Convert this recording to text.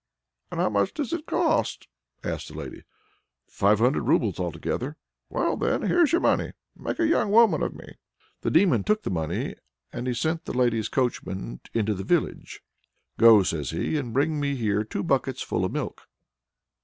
"And how much does it cost?" asked the lady. "Five hundred roubles altogether." "Well, then, there's your money; make a young woman of me." The Demon took the money; then he sent the lady's coachman into the village. "Go," says he, "and bring me here two buckets full of milk."